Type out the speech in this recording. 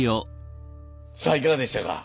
さあいかがでしたか。